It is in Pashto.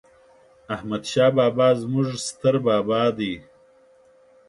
احمد شاه بابا ﺯموږ ستر بابا دي